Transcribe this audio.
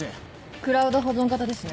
クラウド保存型ですね